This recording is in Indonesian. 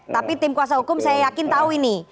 tapi tim kuasa hukum saya yakin tahu ini